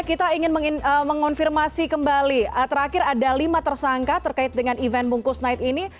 kita ingin mengonfirmasi kembali terakhir ada lima tersangka terkait dengan event bungkus naik ini